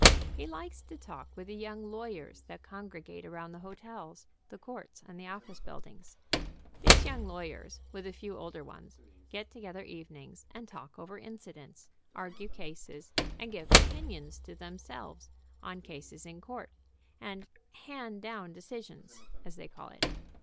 He likes to talk with the young lawyers that congregate around the hotels, the courts and the office buildings. These young lawyers, with a few older ones, get to 86 THE MAN WHJO ASKED QUESTIONS gether evenings, and talk over incidents, argue cases and give opinions to themselves, on cases in court, and "hand down decisions," as they call it.